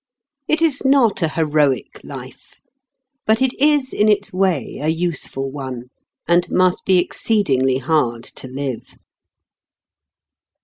It is not a heroic life, but it is in its way a useful one, and must be exceedingly hard to live.